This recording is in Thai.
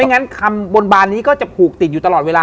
งั้นคำบนบานนี้ก็จะผูกติดอยู่ตลอดเวลา